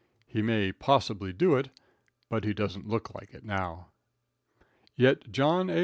He may possibly do it, but he doesn't look like it now. Yet John A.